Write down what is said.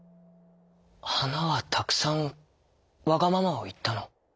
「はなはたくさんわがままをいったの？」。